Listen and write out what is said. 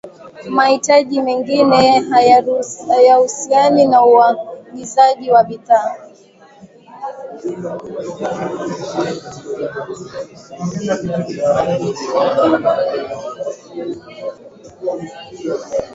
mahitaji mengine hayahusiana na uagizaji wa bidhaa